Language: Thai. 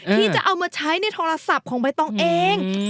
ที่จะเอามาใช้ในโทรศัพท์ของใบตองเอง